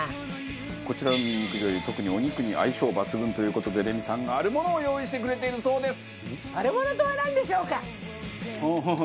こちらのにんにく醤油特に、お肉に相性抜群という事でレミさん、あるものを用意してくれているそうです！